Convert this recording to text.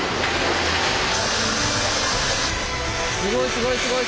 すごいすごいすごい。